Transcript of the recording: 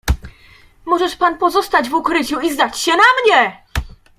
"Możesz pan pozostać w ukryciu i zdać się na mnie."